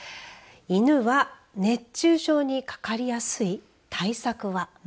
犬は熱中症にかかりやすい対策は。